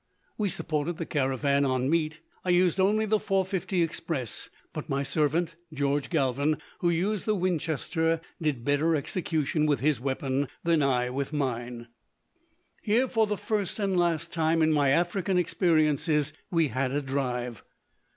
We supported the caravan on meat. I used only the .450 Express; but my servant, George Galvin, who used the Winchester, did better execution with his weapon than I with mine. Here, for the first and last time in my African experiences, we had a drive.